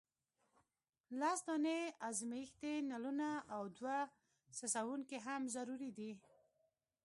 لس دانې ازمیښتي نلونه او دوه څڅونکي هم ضروري دي.